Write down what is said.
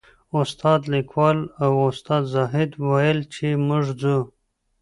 استاد کلیوال او استاد زاهد ویل چې موږ ځو.